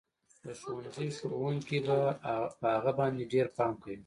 د ښوونځي ښوونکي به په هغه باندې ډېر پام کوي